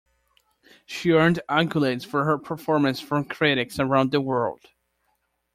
She earned accolades for her performance from critics around the world.